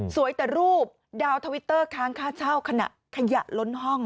แต่รูปดาวทวิตเตอร์ค้างค่าเช่าขณะขยะล้นห้อง